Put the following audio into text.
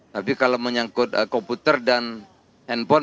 tapi kalau menyangkut komputer dan handphone